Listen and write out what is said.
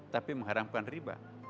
tapi mengharamkan riba